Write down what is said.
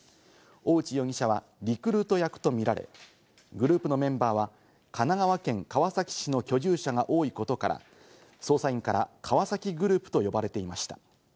大内容疑者はリクルート役とみられ、グループのメンバーは、神奈川県川崎市の居住者が多いことから、捜査員から川崎グループと呼ばれていました。